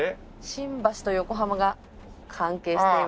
新橋と横浜が関係しています。